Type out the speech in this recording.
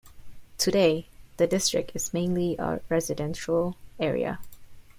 Today, the district is mainly a residential area.